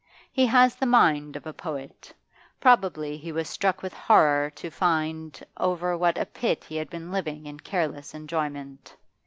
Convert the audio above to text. He has the mind of a poet; probably he was struck with horror to find over what a pit he had been living in careless enjoyment.